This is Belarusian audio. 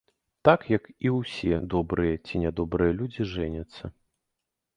Так, як і ўсе добрыя ці нядобрыя людзі жэняцца.